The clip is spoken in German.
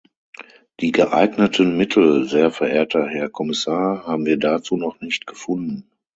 Die geeigneten Mittel, sehr verehrter Herr Kommissar, haben wir dazu noch nicht gefunden.